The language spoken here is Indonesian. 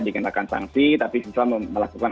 dikenakan sanksi tapi siswa melakukan